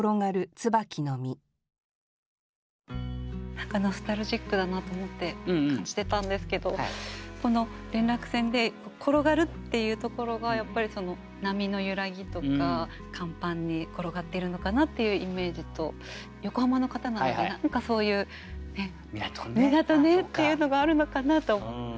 何かノスタルジックだなと思って感じてたんですけどこの連絡船で転がるっていうところがやっぱり波の揺らぎとか甲板に転がっているのかなっていうイメージと横浜の方なので何かそういう港っていうのがあるのかなと。